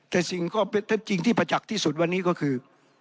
แต่สิ่งที่ประจักษ์ที่สุดวันนี้ก็คือ